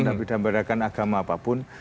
dan bidang barakan agama apapun